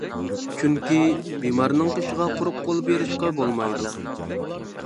چۈنكى، بىمارنىڭ قېشىغا قۇرۇق قول بېرىشقا بولمايدۇ.